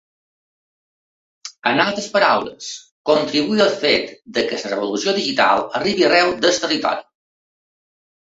En altres paraules, contribuir al fet que la revolució digital arribi arreu del territori.